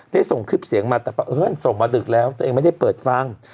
ส่งคลิปเสียงมาแต่เพราะเอิ้นส่งมาดึกแล้วตัวเองไม่ได้เปิดฟัง